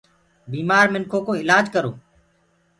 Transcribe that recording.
بيمآر منکو ڪو الآج ڪرو